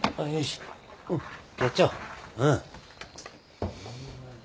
うん。